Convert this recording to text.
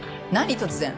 突然。